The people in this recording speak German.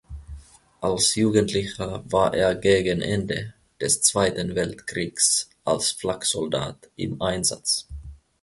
Als Jugendlicher war er gegen Ende des Zweiten Weltkriegs als Flak-Soldat im Einsatz.